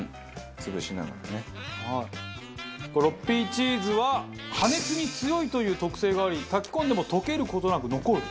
６Ｐチーズは加熱に強いという特性があり炊き込んでも溶ける事なく残る。